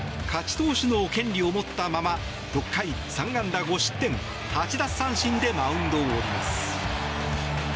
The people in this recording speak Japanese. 投手の権利を持ったまま６回３安打５失点８奪三振でマウンドを降ります。